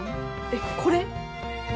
えっこれ？